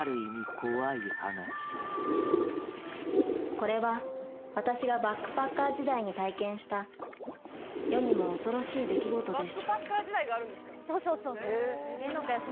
これは私がバックパッカー時代に体験した世にも恐ろしい出来事です